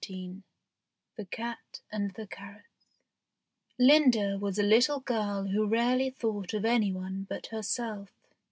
XIV THE CAT AND THE CARROTS LINDA was a little girl who rarely thought of any one but herself.